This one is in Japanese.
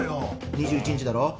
２１日だろ？